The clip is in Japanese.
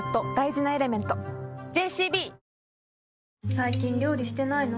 最近料理してないの？